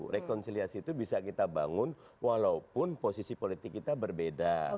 rekonsiliasi itu bisa kita bangun walaupun posisi politik kita berbeda